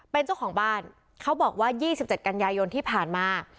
เป็นเจ้าของบ้านเขาบอกว่า๒๗กันยายนที่ผ่านมา